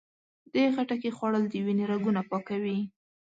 د خټکي خوړل د وینې رګونه پاکوي.